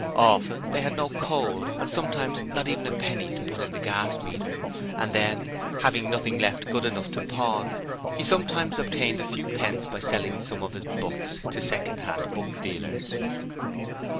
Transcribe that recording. Often they had no coal and sometimes not even a penny to put into the gas meter, and then, having nothing left good enough to pawn, he sometimes obtained a few pence by selling some of his books to second hand book dealers.